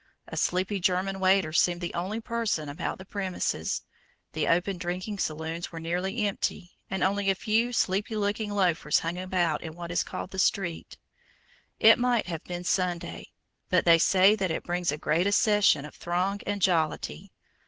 A sleepy German waiter seemed the only person about the premises, the open drinking saloons were nearly empty, and only a few sleepy looking loafers hung about in what is called the street. It might have been Sunday; but they say that it brings a great accession of throng and jollity.